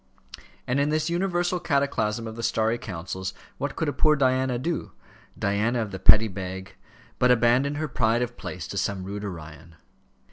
And in this universal cataclasm of the starry councils, what could a poor Diana do, Diana of the Petty Bag, but abandon her pride of place to some rude Orion?